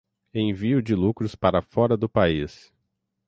envio de lucros para fora do país